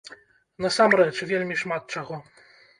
Насамрэч, вельмі шмат чаго!